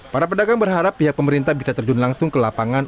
para pedagang berharap pihak pemerintah bisa terjun langsung ke lapangan